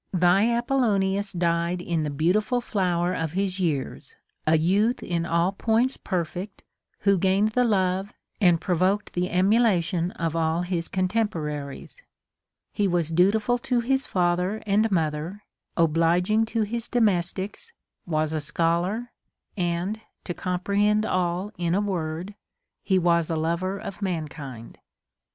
Thy Apollonius died in the beautiful flower of his years, a youth in all points perfect, who gained the love, and pro voked the emulation of all his contemporaries He was dutiful to his father and mother, obliging to his domestics, Avas a scholar, and (to comprehend all in a Λvord) he was a lover of mankind.